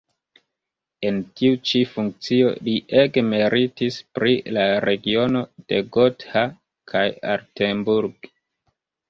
En tiu ĉi funkcio li ege meritis pri la regiono de Gotha kaj Altenburg.